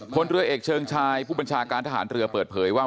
คนเรือเอกเชิงชายผู้บัญชาการทหารเรือเปิดเผยว่า